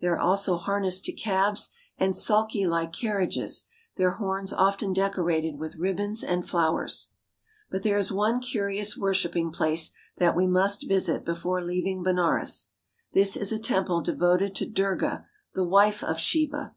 They are also harnessed to cabs 284 THE RELIGIONS OF INDIA and sulkylike carriages, their horns often decorated with ribbons and flowers. But there is one curious worshiping place that we must visit before leaving Benares. This is a temple devoted to Durga, the wife of Shiva.